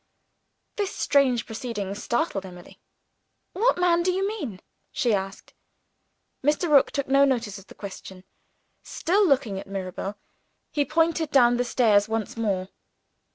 This strange proceeding startled Emily. "What man do you mean?" she asked. Mr. Rook took no notice of the question. Still looking at Mirabel, he pointed down the stairs once more.